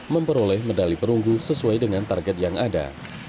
memperoleh medali perunggu sesuai dengan target yang ada